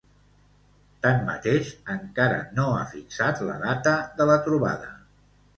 Tanmateix, encara no ha fixat la data de la trobada.